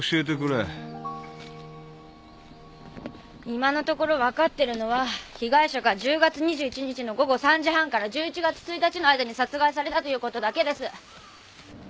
今のところ分かってるのは被害者が１０月２１日の午後３時半から１１月１日の間に殺害されたということだけです。